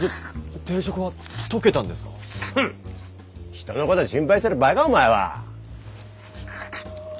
人のこと心配してる場合かお前は。